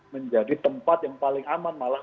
menjadi tempat yang paling aman malah